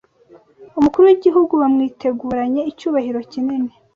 Umukuru w’igihugu bamwiteguranye icyubahiro kinini